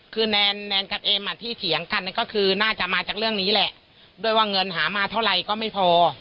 คือแนนแนนกับเอ็มอ่ะที่เถียงกันก็คือน่าจะมาจากเรื่องนี้แหละด้วยว่าเงินหามาเท่าไรก็ไม่พอ